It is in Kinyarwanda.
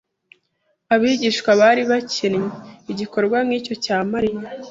Abigishwa bari bakencye igikorwa nk'icyo cya Mariya